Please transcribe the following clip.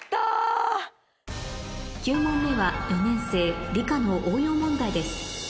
９問目は４年生理科の応用問題です